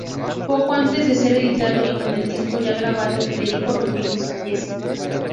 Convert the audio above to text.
Poco antes de ser editado y con el disco ya grabado, Federico Rodríguez fallece.